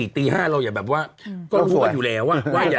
ตี๕เราอย่าแบบว่าก็รู้กันอยู่แล้วว่า